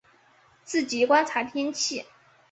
自己观察天气